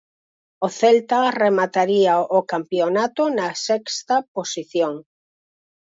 O Celta remataría o campionato na sexta posición.